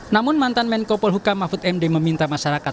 namun mantan menko polhukam mahfud md meminta masyarakat